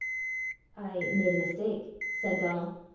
"I made a mistak," said Donal.